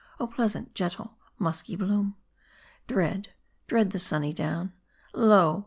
Oh ! pleasant, gentle, musky bloom ! Dread, dread the sunny down ; Lo